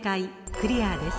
クリアです。